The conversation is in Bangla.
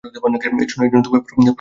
এ জন্য তুমি পুরো দোকানটি কিনেছো।